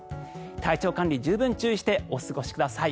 体調管理、十分注意してお過ごしください。